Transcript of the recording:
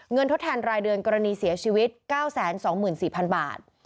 ทดแทนรายเดือนกรณีเสียชีวิต๙๒๔๐๐๐บาท